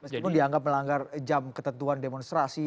mas itu dianggap melanggar jam ketentuan demonstrasi